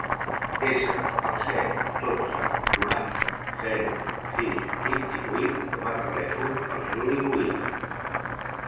Desa el set, dotze, quaranta, zero, sis, vint-i-vuit com a telèfon del Juli Buigues.